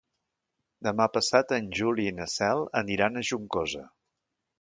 Demà passat en Juli i na Cel aniran a Juncosa.